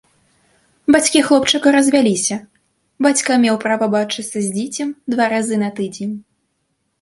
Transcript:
Бацькі хлопчыка развяліся, бацька меў права бачыцца з дзіцем два разы на тыдзень.